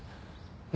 何？